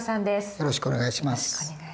よろしくお願いします。